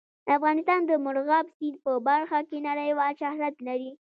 افغانستان د مورغاب سیند په برخه کې نړیوال شهرت لري.